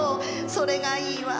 それがいいわ。